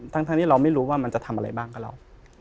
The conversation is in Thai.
ทั้งที่เราไม่รู้ว่ามันจะทำอะไรบ้างกับเรา